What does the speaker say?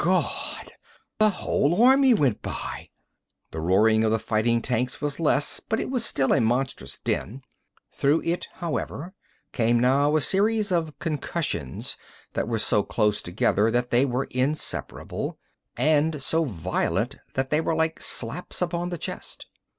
"Gawd! The whole army went by!" The roaring of the fighting tanks was less, but it was still a monstrous din. Through it, however, came now a series of concussions that were so close together that they were inseparable, and so violent that they were like slaps upon the chest.